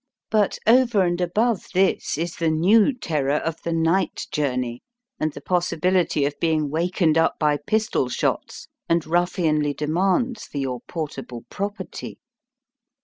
But over and above this is the new terror of the night journey, and the possibility of being wakened up by pistol shots and ruffianly demands for your portable property.